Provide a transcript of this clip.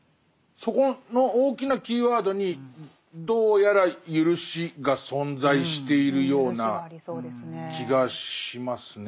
そこの大きなキーワードにどうやら「ゆるし」が存在しているような気がしますね。